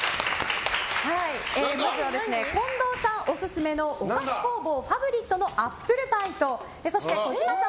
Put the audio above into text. まずは、近藤さんオススメのお菓子工房ファヴリットのアップルパイと小島さん